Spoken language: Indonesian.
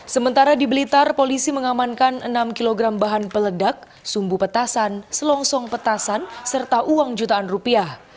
sementara di blitar polisi mengamankan enam kg bahan peledak sumbu petasan selongsong petasan serta uang jutaan rupiah